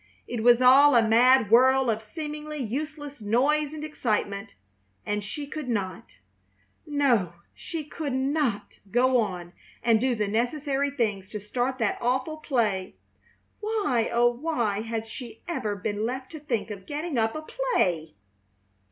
It was all a mad whirl of seemingly useless noise and excitement, and she could not, no, she could not, go on and do the necessary things to start that awful play. Why, oh, why had she ever been left to think of getting up a play?